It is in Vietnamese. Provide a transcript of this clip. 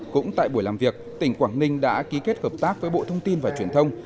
cũng tại buổi làm việc tỉnh quảng ninh đã ký kết hợp tác với bộ thông tin và truyền thông